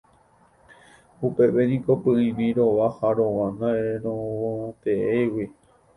Upépe niko py'ỹimi rova ha rova ndaorerogateéigui.